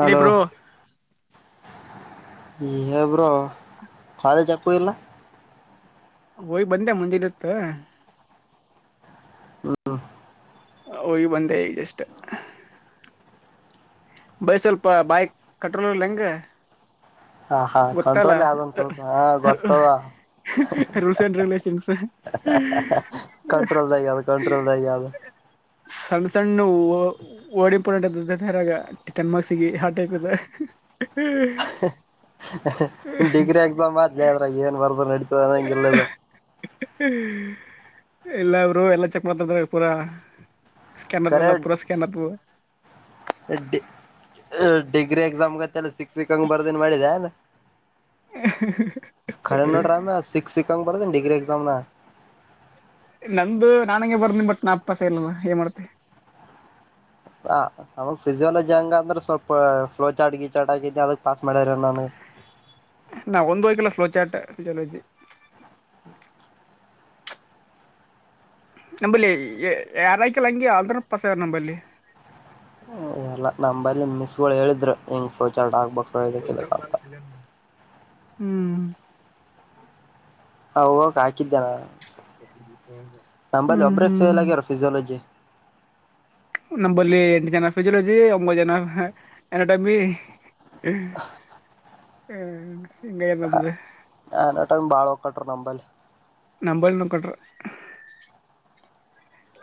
ಇಲ್ಲಿೀ ಬ್ರರು ಹೇಬ್ರೋ ರಿ ಚಕು ಇಲ್ಲ ಹಯ್ ಬಂದೆ ಮುಂದಿದತ್ತು ಹ್ಮ ಹೋಗಿ ಬಂದೆ ಈ ಜಸ್ಟ್ ಬೈ ಸ್ವಲ್ಪ ಬಾಯಕ್ ಕಟ್ರೋಲ್ಲ್ ಹೆಂಗ ಹ ಹಾ ಗೊತ್ತಲ್ಲ ಕಂಟ್ರೋಲ್ ಯಾವ್ದಂತ ಹ ಗೊತ್ತದ ರೂಲ್ಸ್ ಆಂಡ್ ರೆಗುಲೇಷನ್ಸ್ ಹ ಕಂಟ್ರೋಲ್ದಾಗ ಯಾವ್ದು ಕಂಟ್ರೋಲ್ದಾಗ ಯಾವ್ದು ಸಣ್ಣ ಸಣ್ಣ ಓಡಿಂಪೋರ್ಡೆೆಂಟ್ ಅಗ ಟನ್ ಮಾರ್ಕ್ಸ್ ಆ ಟೈಪ್ ಇದೆ ಹ್ಮ್ ಡಿಗ್ರಿ ಎಕ್ಸಾಮ್ ಆದ್ಲ ಅದ್ರ ಏನ್ ಬರ್ದ ನಡತದನಂಗ ಇಲ್ಲದ ಇಲ್ಲ ಅವರು ಎಲ್ಲ ಚೆಕ್ ಮಾಡ್ತದ ಪೂರಾ ಸ್ಕ್ಯಾನರ್ ಕರೆೇ ಎಲ್ಲ ಪೂರಾ ಸ್ಕ್ಯಾನ್ ಆತದ ಡಿಗ್ರಿ ಎಕ್ಸಾಮ್ ಗೊತ್ತಲ್ಲ ಸಿಕ್ಸ್ಕ್ಂಗಗೆ ಬರ್ದಿನ್ ಮಾಡಿದೆ ಅ ರ ನಟ್ರಾಮ ಸ ಸಿಕ್ಕ ಪ ಡಿಗ್ರಿ ಎಕ್ಮ ನ ನಂದು ನಾಂಗೆ ಬರ್ದಿ ಬಟ್ ನಾ ಅಪ್ಪ ಸೆಲ ಏನ್ ಮಾಡ್ತಿ ಹ ನಮ್ ಫಿಸಿಯೋಲಜಿ ಹಂಗ ಅಂದ್ರೆ ಸ್ವಲ್ಪ ಫ್ಲೋ ಚಾಟ್ ಗೀ ಚಾಟ್ ಆಗಿದಿ ಅದಕ್ ಪಾಸ್ ಮಾಡ್ಯಾರವ್ ನನ್ಗೆ ನಾ ಒಂದ ಹೋಗಕಲ್ಲ ಫ್ಲೋಚಾಟ್ ಫಿಲಜಿ ನಂಬಲ್ಲಿ ಯಾರಾಯ್ಕಲ್ಲಂಂಗಗೆ ಅಲ್ಪಸ ನಂಬಲ್ಲಿ ಲ್ಲ ನಮ್ಮಂಬಲ್ಲಿ ಮಿಸ್ಗಳು ಹೇಳಿದ್ರು ಹಿಂಗ ಫ್ಯೂಚರ್ ಆಗ್ಬೇಕು ಇದಕ್ಕಿದಕ್ ಪಾಲ ಅಂತ ಹ್ಮ್ ಹಾ ಹೋಗಕ್ ಹಾಕಿದ್ದೇನ ನಂಬಲ್ಲಿ ಹ್ಮ್ ಒಬ್ರೇ ಹ್ಮ್ ಫೇಲ್ ಆಗ್ಯಾರ ಫಿಸಿಯಾಲಜಿ ನಂಬಲ್ಲಿ ಎಂಟು ಜನ ಫಜಿಯಾಲಜಿ ಒಂಬತ್ತು ಜನ ಎನಟಮಿ ಹ್ಮ ಎಂಗ ನಮ್ದ ಆನ್ಟ ಬಾಳ ಒಕ್ಕಾಟ್ರ ಅಂಬಲ್ ನಂಬಲ್ ನ ಕೊಟ್ರ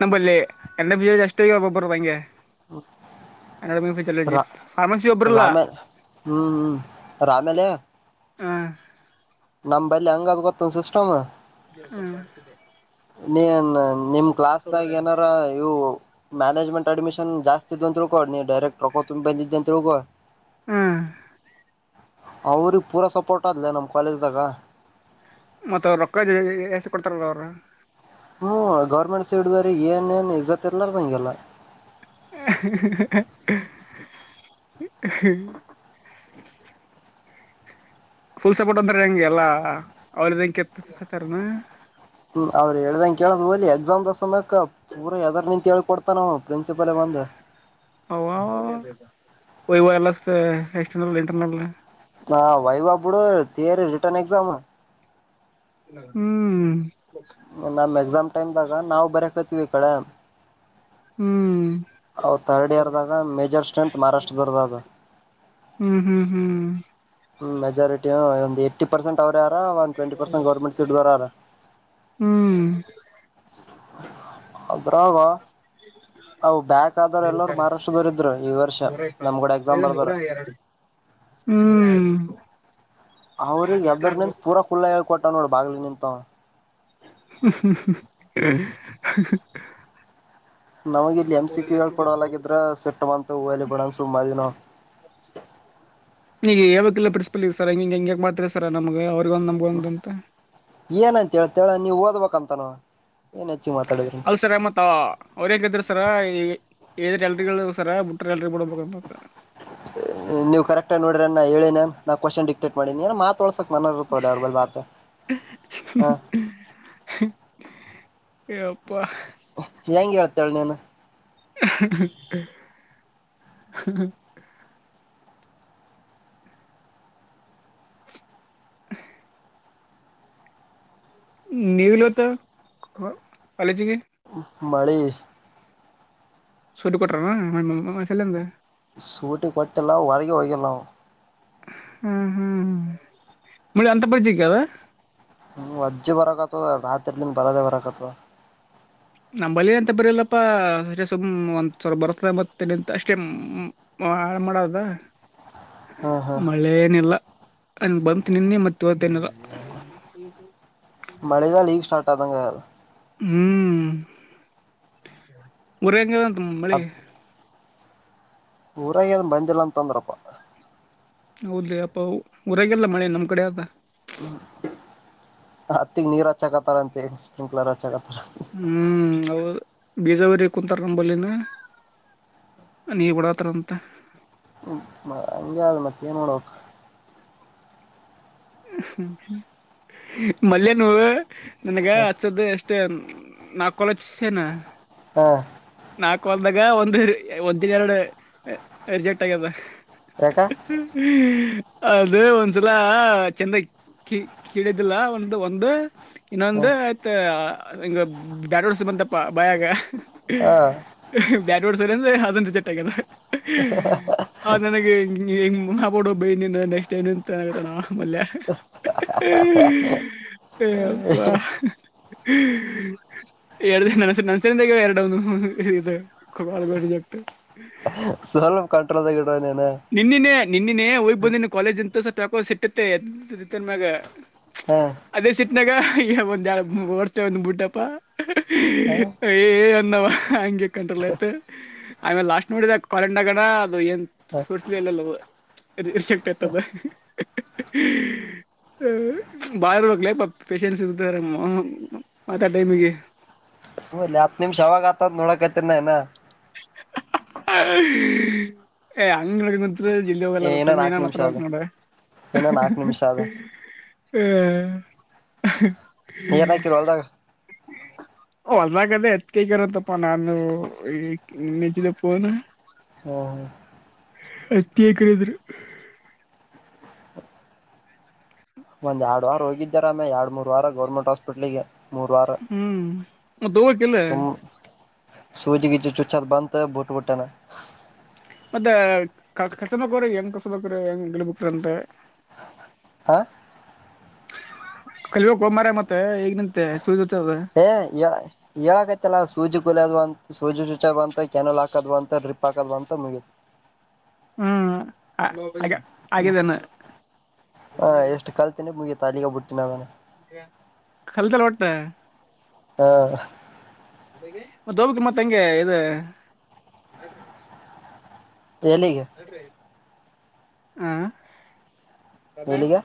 ನಂಬಲ್ಲಿ ಎರಡು ವಿಜಯ ಅಷ್ಟು ಒಬ್ಬೊಬ್ಬರು ಹಂಗೆ ಹ ಅನ್ನಡಜಿ ಫಾರ್ಮಸಿ ಒಬ್ಬ್ರಲ್ಲಾ ರಾಮೇ ಹ್ಮ್ ಹ್ಮ್ ಅ ಆಮೇಲೆ ಹ ನಮ್ಲ್ ಹಂಗದ್ ಗೊತ್ತಂದ ಸಿಸ್ಟಮ್ ಮಾಡ್ತ ನೀನ್ ನಿಮ್ ಕ್ಲಾಸ್ಗ ಏನಾರ ಇವು ಮ್ಯಾನೇಜ್ಮೆಂಟ್ ಅಡ್ಮಿಷನ್ ಜಸ್ ಇದ್ದ ಅಂತೂ ಕೊಡ್ ನೀ ಡೈರೆಕ್ಟ್ ರೊಕೊ ತುಂಬಿ ಬಂದಿದ್ದೆ ಅಂತಳ್ಗುವ ಹ ಅವ್ರಿಗೆ ಪೂರಾ ಸಪೋರ್ಟ್ ಆದ್ಲ ನಮ ಕಾಲೇಜ್ದಾಗ ಮತ್ತ ಅವರು ರೊಕ್ಕ ಜ ಎಸ ಕೊಡ್ತಾರಲ್ಲ ಅವರು ಹ್ಮ್ ಗೌರ್ಮೆಂಟ್ ಸೀಡ್ ಏನ್ ಏನ್ ಇಜ್ಜತ್ ಇಲ್ಲಾರಂಗೆಲ್ಲ ಹ್ಮ ಫುಲ್ ಸಪೋರ್ಟ್ ಅಂತಾರ ಹೆಂಗೆ ಎಲ್ಲಾ ಅವ್ರಂ ಕೆತ್ತತಾರನಾ ಹ್ಮ್್ರೆ ಹೇಳ್ದಂಗ ಕೇಳ್ ಹಲಿ ಎಕ್ಸಾಮ್ ದಸಯ ಪಊರ ಯದಾರ್ ನಿಂತತ್ ಹೇಳ್ ಕೊಡ್ತಾನ ನವು ಪ್ರಿನ್ಸಿಪಲ್ ಹ ಹ ಒ ವೈರ್ಲೆಸ್ ಎಕ್ಸ್ಟರ್ನಲ್ ಇಂಟರ್ನಲ್ ಹಾ ವಾಯ ಬಾಬುಡು ತ ರರಿಟರ್ನ್ ಎಕ್ಾಮ ಹ್ಮ್ ನಮ್ಮ್ ಎಕ್ಸಾಮ್ ಟೈಮ್ ದಾಗ ನಾವವು ಬರಕೋತಿೀವಿ ಈ ಕಡೆ ಹ್ಮ್ ಹ ಥರ್ಡ್ ಇಯರ್ದಾಗ ಮೇಜರ್ ಸ್ಟ್ರೆಂತ್ ಮಹಾರಾಷ್ಟ್ರದವರ್ದ ಅದು ಹ್ಮ್ ಹ್ಮ್ ಹ್ಮ್ ಹ್ಮ್ ಮೆಜಾರಿಟಿ ಒಂದು ಎಏಿ ಪರ್ಸೆಂಟ್ ಅವ ಆರ ಒನ್ ಟ್ವೆಟಿ ಪಸೆಟ್ ಗವರ್ಮೆಂಟ್ ಸೀಟ್ ದ್ಾರ ಹ್ಮ್ ಅದ್ರ ಅವು ಬ್ಯಾಕ್ ಆದರು ಎಲ್ಲರು ಮಹಾರಾಷ್ಟ್ರದವರ ಇದ್ರು ಈ ವರ್ಷ ನಮ್ಗಡೆ ಐದು ನೂರ ಎರಡು ಹ್ಮ್ ಅವ್ರಗ್ ಎದರ್ ನಿಂತ ಪೂರ ಕ ಕುಲ್ಲ ಹೇಳ್ ಕೊಟ್ಟ ನೋಡಿ ಬಾಗ್ಲ ನಿಂತ ಹ್ಮ್ಮ ನಮ್ ಇಲ್ಲಿ ಎಂ್ ಸಿ ಪಿ ಗಳು ಕೊಡಲಾಗಿದ್ರ ಸೆಟ್ಟ ಮಂತ ತೌಲ್ಲಿ ಬಡ್ಣ ಸುಂಬ ದಿನ ಇಲ್ಲ ಪ್ರಿಸ್ಪಲ್ ಸರ್ಗೆಂಗ ಮಾತ್ರ ಸರ್ ನ ಏನಂತೇತಳ ನೀವ್ ಓದ್ಬೇಕಂತನ ಅಲ್ ಸರ ಮತ್ ಅವ್ರ ಹೇಂಗಿದ್ರ ಸರ ಈ ಎಲ್ರಿಗಳು ಸರ ಮುಟ್ಟ್ರ ಎಡರಿ ಬಿಡಬೇಕ ನೀವು ಕರೆಕ್ಟ್ಾಗಿ ನೋಡರಿ ನಾ ಹೇಳೇ ನಾ ಕ್ವಶನ್ ಡಿಕ್ಟೇಟ್ ಮಾಡೀಿಏ ಮಾತ ಮನತ ಅವಬ ಬತ ಹ ಯಪ್ಪ ಹೆಂಗ ಹೇಳತ್ತ ಎರನೇನ ಹ್ಮ ನೀವಲತ ಕಾಲೇಜಿಗೆ ಮಳಿ ಸುಟ್ಟ ಕೊಟ್ರಸಲ್ಲಂದ ಸೂಟಿ ಕೊಟ್ಟಲ್ಲಾ ಹೊರಗೆ ಹೋಗಲ್ಲವು ಹ್ಮ್ ಹ್ಮ್ ಹ್ಮ್ ಮಳಿ ಅಂತ ಪರಿಚಯಕ್ಕೆ ಅದ ಹ್ಮ ಅಜ್ಜ ಬರಕ ಆತದ ರಾತ್ರಿಲಿಿಂದ ಬರದೇ ಬರಕ ಆತದ ನಮ್ಮಂಬಳಿ ಅಂತ ಬರಿಲ್ಲಪ್ಪ ಸುಮ್ ಒಂದ್ಸವರ ಬರುತ್ತ ಮತ್ತೆಂತ ಅಷ್ಟೇ ಹ ಆಳು ಮಾಡೋದ. ಹ್ಮ್ ಹ್ಮ್ ಮಳೆ ಏನಿಲ್ಲ ಬಂತ ನಿನ್ನೆ ಮತ್ತಇವತ್ತ ಏನಿಲ್ಲ. ಮಳಿಗಾಲ ಈಗ ಸ್ಟಾರ್ಟ್ ಆದಂಗ ಆಗ್ಯಾದ. ಹ್ಮ್ ಊರ ಎಂಗ್ ಆದ ಅಂತ ಮಳಿ. ಅದ್ ಊರಾಗ ಅದ್ ಬಂದಿಲ್ಲ ಅಂತಂದ್ರಪ್ಪ ಹೌದ್ರಿ ಅಪ್ಪ ಹೊಊರಾಗಲ್ಲ ಮಳೆ ನಮ್ ಕಡೆ ಆದತ ್ಮ ಅತ್ತಿಗ್ ನೀರ್ ಹಚ್ಚಕತ್ತಾರ ಅಂತೆ ಸ್ಪ್ರಿಂಕ್ಲರ್ ಹ ಚಕತ್ತರ ಹ್ಮ್ ಹದು ಬೀಜಾವುರಿ ಕುಂತಾರ ನಂಬಲ್ಲಿಿನ ನೀವ ಕಡತರ ಅಂತ ಹಂಗೆ ಅದು ಮತ್ತೇನ್ ನೋಡಕ್ ಮಲ್ಯ ನೂ ನನ್ಗ ಹಚ್ಚದ ಎಷ್ಟು ಮಟೆ ನ ಕಲೇಜ ಸನಾ ಹ ನಾಕ್ಲ್ದಾಗ ಒಂದ್ ಒಂದಿನ ಎರಡು ರಿಜೆಕ್ಟ್ ಆಗ್ಯದ ಯಾಕ ಹ್ಮ ಹ್ಮ್ ಅದು ಒಂದ್ಸಲ ಚೆಂದಾಗ ಕಿ ಕಿಡಿದಿಲ್ಲ ಒ ಒಂದು ಇನ್ನೊಂದು ಆಯ್ತ ಹಂಗ ಡ್ಯಾಡೋಡ್ ಸಿ ಬಂತಪ್ಪ ಬಾಯಾಗ. ಹ ಬ್ಯಾಡ್ವರ್ಡ್ಸ್ ಸರ್ ಅಂದ ಅದನ್ ರಿಜೆಟ್ ಆಗ್ಯದ. [inaudible] [unintelligible] [unintelligible] [unintelligible] ಸ್ವಲ್ಪ ಕಂಟ್ರದ ನಿನ್ನಿನೇ ನಿನ್ನಿನೇ ಹೋಗ್ ಬಂದಿನ ಕಾಲೇಜ್ ಅಂತ ಸಲ್ಪಾಕೋ ಸಿಟ್ಟತ್ತೆ ಎದ್ದನ್ ಮ್ಯಾಗ ಹಾ. ಅದೇ ಸಿಟ್ನಾಗ ಈ ಒಂದ್ ಜ ಓಡ್ತೇ ಒಂದ್ ಬುಟಪ್ಪ ಏ ಏ ಅನ್ನವ. ಹಂಗೆ ಕಂಟ್ರೋಲ್ ಆಯ್ತು ಆಮೇಲೆ ಲಾಸ್ಟ್ ನೋಡಿದ ಕಾಲಂಡ್ ಆಗಣ ಅದು ಏನ್ [unintelligible] ಹ ಬಾಳ ಇರ್ಬಕ್ಲ ಪ ಪೇಶೆನ್ಸ್ ಇತಾರಮ್ಮ ಮಾತಡೂ ಟೈಮಿಗಿ. ಹ್ಮ್ ಲೆ ಹತ್ ನಿಮಿಷ ಯವಾಗ ಆತದ ನೋಡೋಕತ್ತಿನಿ ಇನ್ನ. ಏ ಅಂಗ ಏನ ನಾಕ್ ನಿಮಿಷ ಅದ ಇನ್ನ ನಾಕ್ ನಿಮಿಷ ಅದ [unintelligible] [inaudible] ಏನ್ ಹಾಕಿರಿ ಹೊಲದ್ಗಾ. ಹೊದಾಗದ ಎತ್ ಕೈಕ ತಪ್ಪ ನ ಅನ ನಿಚಲು ಪೋನ್ ಹ್ಮ. ಹತ್ತಿ ಹಾಕ್ಯರ ಅಂದ್ರು. ಒಂದ್ ಎರಡು ವಾರ ಹೋಗಿದ್ಯಾ ರಾಮ್ಯಾ ಎರಡು ಮೂರ್ ವಾರ ಗೌರ್ಮೆಂಟ್ ಹಾಸ್ಪಿಟ್ಲ್ಗೆ. ಮೂರ್ ವಾರ ಹ್ಮ್ ಮತ್ತ ಹೋಗಕಿಲ್ಲ ಸುಮ್ಮ. ಸುಜಿಗಿಜಿ ಚುಚ್ಚುದ ಬಂತ ಬಿಟ್ಟಬಿಟ್ಯ ನಾನ್. [unintelligible] ಹಾ. ಕಲೀಬೇಕೋ ಹೂ ಮಾರಯ ಮತ್ತ ಈಗ ನಿಂತ. ಏ ಹೇಳಕೈತಲ್ಲ ಸೂಜಿ ಕೊಲೆ ಅದು ಅಂತ. ಸೂಜಿ ಚುಚ್ಚುದ ಬಂತ್, ಕ್ಯಾನೆಲ್ ಹಾಕದ ಬಂತ್, ಡ್ರಿಪ್ ಹಾಕದ ಬಂತ್, ಮುಗೀತು. ಹ್ಮ್ ಆ ಆ ಆಗಿದ್ದೇನ. ಹ ಇಷ್ಟು ಕಲ್ತೀನಿ ಮುಗಿತ ಅಲ್ಲಿಗೆ ಬಿಟ್ಟೀನಿ ಅದಾನ. ಕಲ್ತ್ಯಾಲ್ ಒಟ್ಟ. ಹ್ಮ ಮತ್ತ ಹೊಬ್ಕಿಲ್ ಮತ್ ಹಂಗೆ ಇದು. ಎಲ್ಲಿಗೆ, ಹ್ಮ್. ಎಲ್ಲಿಗೆ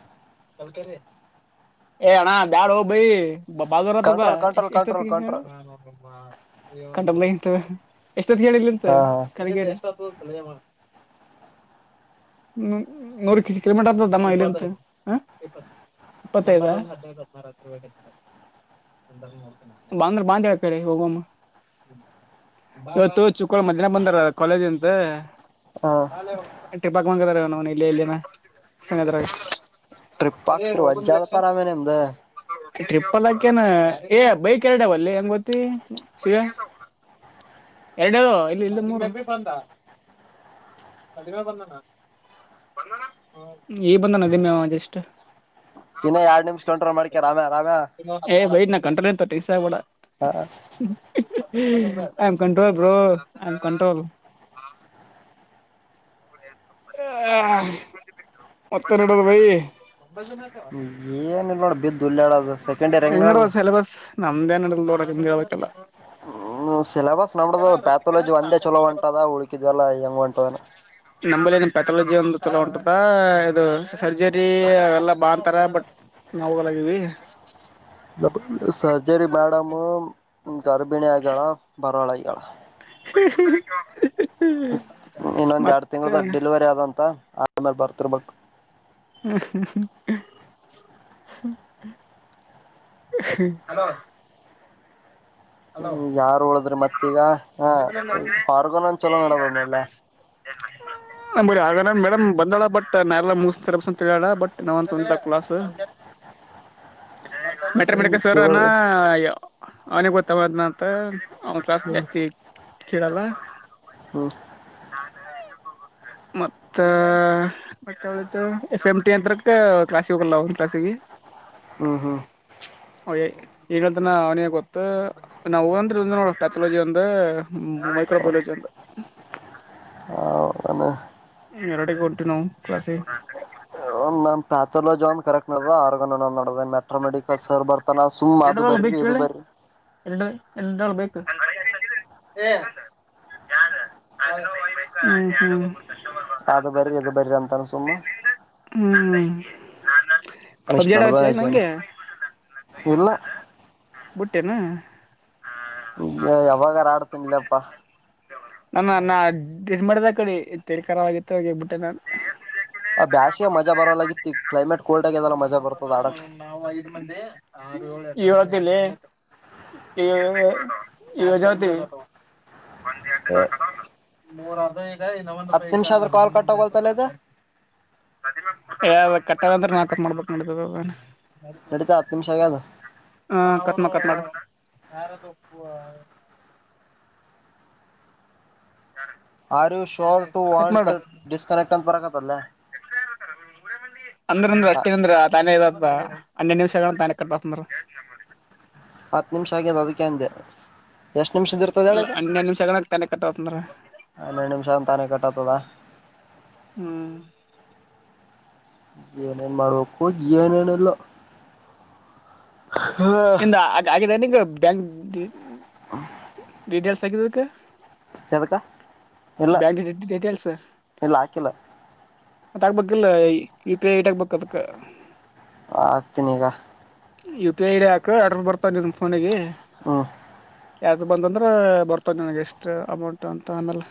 ಏ ಅಣ್ಣ ಬ್ಯಾಡೋ ಭೈ. ಕಂಟ್ರೋಲ್ [unintelligible] ಕಂಟ್ರೋಲ್ ಕಂಟ್ರೋಲ್ ಕಂಟ್ರೋಲ್ ಎಷ್ಟೊತ್ತ ಹೇಳಿಲ್ಲ ಅಂತೆ. ಹ ಹ್ಮ ನೂರು ಕಿಲೋಮೀಟರ್ ತಮ್ಮ ಇಲ್ಲಿಂತ್. ಇಪ್ಪತ್ತೈದ ಹಾ. ಬಾಂದ್ರ ಬಂದಡ ಕಡೆ ಹೋಗಮ್ಮ. ಇವತ್ತು ಚುಕ್ಕಳ ಮಧ್ಯಾಹ್ನ ಬಂದಾರ ಕಾಲೇಜ್ ಇಂತ. ಹ [unintelligible] [unintelligible] ಟ್ರಿಪ್ಪಲ್ಕ್ಕೇನ್ ಏ ಬೈಕ್ ಎರಡಾವಲ್ಲಿ ಹೆಂಗ ಬತ್ತ ಸಿಗ ಎರಡ ಇಲ್ಲಿ ಇ ಬಂದ [unintelligible] ಬಂದ ನದ ಮ ಜಸ್ಟ್. ಬೈ ಇನ್ನ ಎರಡ್ ನಿಮಿಷ ಕಂಟ್ರೋಲ್ ಮಾಡ್ಕ್ಯ ರಾಮ್ಯ ರಾಮ್ಯ ಕಂಟ. ಹ [unintelligible] ಐ ಎ ಕಂಟ್ರೋಲ್ ಬ್ರೋ ಕಂಟ್ರೋಲ್. ಹತ್ತರಡದ ಭೈ. ಏನ್ ಇಲ್ ನೋಡ ಬಿದ್ದು ಉಳೆಡೋದು ಒಂದು ಸೆಂಡ್ ಇಯರ್ ಹೆಂಗ ಹೇಳೋದು. ನಮ್ದ ಏನಿಲ್ಲ ನೋಡ ಹೇಳಬೇಕು ಎಲ್ಲಾ. ಸಿಲೆಬಸ್ ನಡದಾದ ಪ್ಯಾಥೋಲಜಿ ಒಂದೇ ಚಲೋ ಹೊಂಟದ ಉಳಕಿದ್ ಎಲ್ಲ ಹೆಂಗ ಹೊಂಟವ. ನಮ್ಮಲ್ಲಿ ಇನ್ ಪೆಥಾಲಜಿ ಒಂದು ಚಲ ಹೋಂಟದ ಇದು ಸರ್ಜರಿ ಎಲ್ಲ ಬಾ ಅಂತಾರ ಬಟ್. [unintelligible] ಸರ್ಜರಿ ಮೇಡಮ್ಮ್ ಗರ್ಭಿಣಿ ಆಗ್ಯಾಳ ಬರಲಾ ಆಗ್ಯಾಳ. [unintelligible] ಇನ್ನೊಂದ ಎರಡು ಮತ್ತೆ ತಿಂಗಳದ ಡಿಲಿವರಿ ಆದಂತ ಆಮೇಲೆ ಬರ್ತಿರ್ಬೇಕು. [unintelligible] [unintelligible] ಹಲೋ. ಯಾರು ಉಳದ್ರ ಮತ್ತೀಗ ಹ್ಮ್ಮ್ ಆರ್ಗನ ಒಂದು ಚಲೋ ನಡದಾದ ಅದ ಒಳ್ಳ. [inaudible] ಹ್ಮ್ಮ್ ಬರಿ ಆರ್ಗನ ಮೇಡಮ್ ಬಂದಳ ಬಟ್ ನಾ ಎಲ್ಲಾ ಮುಗಿಸತರ ಅಂತ ಹೇಳಳ ಬಟ್ ನಾವ್ಂತ ಕ್ಲಾಸ್. [unintelligible] ಮೆಟ್ರಾ ಮೇನಿಕ್ ಸರ್ ಚಲೋ ಅನಾ ಅವನ ಗೊತ್ತ ಅವ ಅಂದನ ಅಂತ. ಅವನ ಕ್ಲಾಸ್ ಹ್ಮ್ ಜಾಸ್ತಿ ಕೇಳಲ. [unintelligible] [inaudible] ಮತ್ತ ಎಫ್ ಎಂ ಟಿ ಅತ್ರಕ್ಕೆ ಕ್ಲಾಸಗೆ ಹೋಗಲ್ಲ ಒಂದು ಕ್ಲಾಸಿಗೆ. ಈಗ ಹ್ಮ್ ಹ್ಮ್ ಅವ ಏನ ಹೇಳತಾನ ಅವನಿಗೆ ಗೊತ್ತು. ನಾ ಹ್ಮಂ ಅಂದ್ರ ನೋಡ ಪ್ಯಾಥಾಲಜಿ ಒಂದ ಮೈಕ್ರೋಬಯಾಲಜಿ ಅಂದ. [unintelligible] ಎರಡಗೆ ಉಂಟು ನಾವು ಕ್ಲಾಸ. ನಮ್ಮ ಪ್ಯಾಥಾಲಜಿ ಒಂದು ಕರೆಕ್ಟ್ ನಡದಾದ ಅರ್ಗನ್ ಒಂದು. ಮೆಟ್ರೋ ಮೆಡಿಕಲ್ ಸರ್ ಬರ್ತಾನ ಸುಮ್ಮ್ ಅದು ಬರಿ ಇದು ಬರ್ರಿ. [unintelligible] ಎ ಬೇಕು ಏ. [unintelligible] [unintelligible] [unintelligible] ಅದು ಬರಿರಿ ಇದು ಬರಿರಿ ಅಂತಾನ ಸುಮ್ಮ. [unintelligible] [unintelligible] [unintelligible] ಇಷ್ಟ್ ಪಬ್ಜಿ ಆಡ ನಡ್ದ ಕತೆನ ಜನ ಅಂಗೆ ಇಲ್ಲ ಬುಡತೇನ. ಯಾವಗನ ಆಡತಿನಿ ಲೆ ಯಪ್ಪಾ. [unintelligible] ಮಾಡದ ಕಡಿ ತರಿಖರವಾಗಿತ್ತು ಹೋಗಬಿಟ್ಟೆ ನು ಹ [unintelligible] ನದ ಕೋಲ್ಡ್ ಆಗ್ಯದಲ್ಲ ಮಜಾ ನದ ಬರ್ತದ ಬ ಆಡಕ್ ನಾ್ ಐದ ಮಂದಿ ಆ ಇತಿ ಇ ಯಜತಿ ಹ್ಮ ಮೂರ ಅದು ಈಗ ಇನ್ನ ಒಂದು ಪೈಕ ನದಿ ಬಂದ ಒಂದ ಕಟ್ಟಾಗೋಲ್ತಲ್ಲ ಅದ ಆಯ್ತದ [unintelligible] ನಡದು ಹತ್ತು ನಿಮಿಷ ಆಗ್ಯಾದ. ಹ್ಮ್ಮ್ ಕಟ್ ಮಾಡ ಕಟ್ ಮಾಡ. [unintelligible] R you sure to cut ಮಾಡ ವಾಂಟ್ ಡಿಸ್ಕನೆಕ್ಟ್ ಅಂತ ಬರಕತ್ಯದ. [unintelligible] ಅಂದ್ರ ಅಂದ್ರ ಅಷ್ಟೇನ ನಿಂದ್ರ ತಾನೇ [unintelligible] ಹನೆಡು ನಿಮಷಗಳಾನ ಕಟ್ಟ ಮಾಡತೀನ ನಿಂದ್ರ. ಹತ್ತು ನಿಮಿಷ ಆಗಿದೆ ಅದಕ್ಕೆ ಅಂದೆ. ಎಷ್ಟ್ ನಿಮಿಷದ ಇರ್ತದ ಹೇಳದ ಹನ್ನೇಡು ನಿಮಿಷ ಹಾಗನ ತಾನೇ ಕಟ್ ಅಗತ ನಿಂದ್ರ. ಹನ್ನೆರಡು ನಿಮಿಷ ಅಂತಾನೆ ಕಟ್ಟತದ ಹ್ಮ್. ಏನೇನ್ ಮಾಡ್ಬೇಕು ಏನೇನಿಲ್ಲ. [unintelligible] ಬ್ಯಾಂಕ್. ಡೇಡು ಸೈಕ ಎದಕ್ಕ ಇಲ್ಲ ಬ್ಯಾಂಕ್ ಡೀಟೇಲ್ಸ್ ಇಲ್ಲ ಹಾಕಿಲ್ಲ ಮತ್ತ ಆಗ್ಬೇಕಿಲ್ಲ ಯು ಪಿ ಐ ಇಟ್ ಆಗ್ಬೇಕಕ್ ಅದಕ್ಕ ಆಗ್ತೀನಿ ಈಗ ಯು ಪಿ ಐ ಡಿ ಹಾಕು ಅಡ್ರರ್ ಬರ್ತಾ ನಿಮ್ಮ ಫೋನಿಗೆ ಹ್ಮ ಯಾರ ಬಂದಂದ್ರೆ ಬರ್ತದೆ ನನಗೆ ಎಷ್ಟು ಅಮೌಂಟ್ ಅಂತ ಆಮೇಲೆ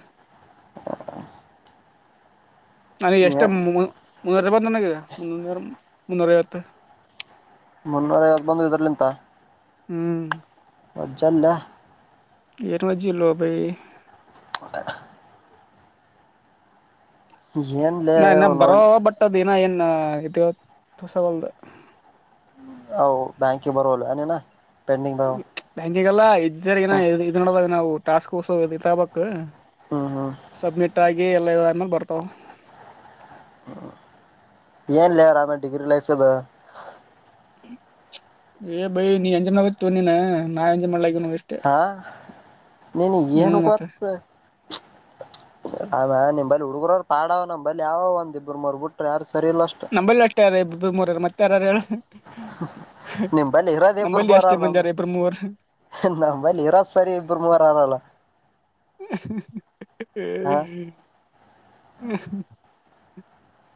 ನನಗೆ ಎಷ್ಟು ಏನ್ ಮುನ್ನೂರ ಬಂದ ನನಗಿದೆ ಮುನ್ನೂರ ಮುನ್ನೂರ ಐವತ್ತು ಮುನ್ನೂರ ಯಾವ್ದ ಬಂದು ಇದರ್ಲಿಂತ ಹ್ಮ್ ಮಜಲ್ಲ ಎರ ಮತ್ತ ಲಬೈ ಏನ್ಲೇ ನಾ ಇನ್ನ ಅವನು ಬರೋ ಬಟ್ಟದ ಏನ್ ಇವತ್ತುಸಲ್ದ ಹ ಬ್ಯಾಂಕೆ ಬರಲ ಅ ನ ಪೆಂಡಂಗ್ ಧಾವ ಈಗೆಲ್ಲಾ ಇದ್ ಇದ ನೋಡಾಗ ನಾವು ಟಾಸ್ಕ್ ಫೋರ್ಸ್ ಇಬಕ್ ಹ್ಮ್ ಹ್ಮ್ ಸಬ್ಮಿಟ್ ಾಗಿ ಎಲ್ಲ ಇದಾದ್ಮೇಲೆ ಬರ್ತಾವ ಏನ್ಲ್ಲರ ಆಮ ಡಿಗ್ರಿ ಲೈಫ್ದು ಏ ಬೈ ನೀ ಎಂಜಮನಗ ತ ನೀಿನ ನಾ ಎಂಜಮಾನಲಗನು ಹಾ ನೀನ ನು ಹ್ಮ್ ಮತ್ತೆ ಕೊತ್ ಆಮೇ ನಿಮಲ್ಲಿಿ ಹುಡುಗರರು ಪಾಡವ ನಮಂಬಳ ಯಾವ ಒಂದಿಬ್ಬರು ಮರ್ ಬಿಟ್ರ ಯಾರು ಸರಿ ಇಲ್ಲ ಅಷ್ಟ ನಂಬಲ್ಲಿ ಅಟ್ಟ ಯಾರ ಇಬ್ಬರು ಮೂರಾರ ಮತ್ತೆ ಯಾರ ಹೇಳ ನಿಮ ಬಲ್ಲಿಿ ಇರೋದ ಇಬರು ನಂಬಲ್ಲಿ ಬರ ಅಷ್ಟೇ ನಾಮ ಮಂದಿ ಯಾರ ಇಬ್ಬರು ಮೂವರು ನಮ್ಮಲ್ಲಿ ಇರೋದ್ ಸರಿ ಇಬರು ಮೂವರ ಆರಲ್ಲ ಹ ಹ್ಮ [unintelligible]